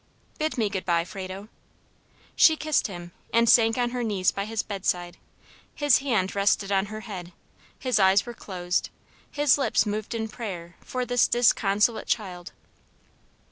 "Bid me good bye, Frado." She kissed him, and sank on her knees by his bedside; his hand rested on her head; his eyes were closed; his lips moved in prayer for this disconsolate child.